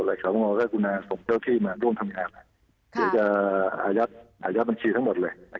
อะไรกับงานสมเตอร์พี่มาร่วมทำงานอายัดบัญชีทั้งหมดเลย